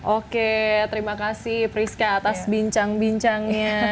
oke terima kasih priska atas bincang bincangnya